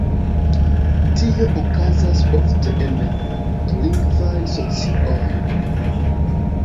Tio okazas ofte en dulingvaj socioj.